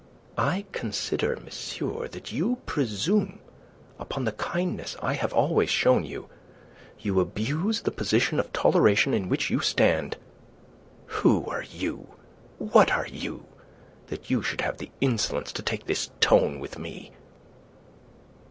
"I consider, monsieur, that you presume upon the kindness I have always shown you. You abuse the position of toleration in which you stand. Who are you? What are you, that you should have the insolence to take this tone with me?"